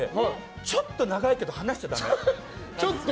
ちょっと長いけど話しちゃだめ？